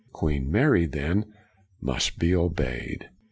Queen Mary, then, must be obeyed.